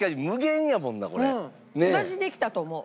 私できたと思う。